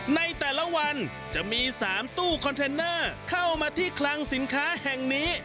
ในแต่ละวันจะมี๓ตู้คอนเทนเนอร์เข้ามาที่คลังสินค้าแห่งนี้